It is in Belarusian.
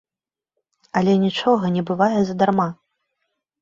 Але нічога не бывае задарма.